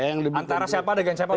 antara siapa dengan siapa